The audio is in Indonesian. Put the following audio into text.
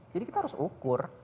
jadi kita harus ukur